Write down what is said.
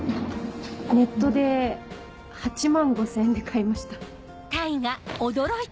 ネットで８万５０００円で買いました。